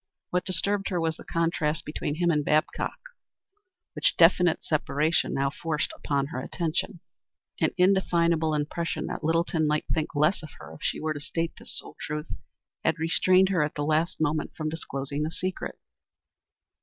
What disturbed her was the contrast between him and Babcock, which definite separation now forced upon her attention. An indefinable impression that Littleton might think less of her if she were to state this soul truth had restrained her at the last moment from disclosing the secret.